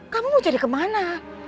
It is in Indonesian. kamu mau cari kemana